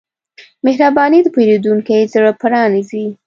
مهرباني د پیرودونکي زړه پرانیزي.